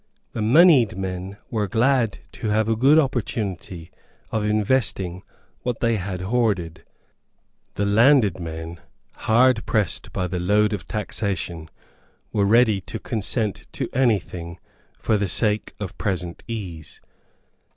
The moneyed men were glad to have a good opportunity of investing what they had hoarded. The landed men, hard pressed by the load of taxation, were ready to consent to any thing for the sake of present ease.